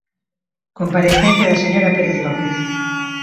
Comparecencia da Señora Pérez López.